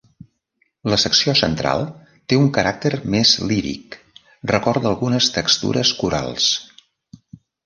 La secció central té un caràcter més líric, recorda algunes textures corals.